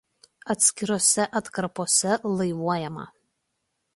Atskirose atkarpose laivuojama.